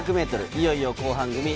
いよいよ後半組。